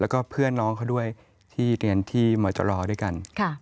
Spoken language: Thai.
แล้วก็เพื่อนน้องเขาด้วยที่เรียนที่มจรด้วยกัน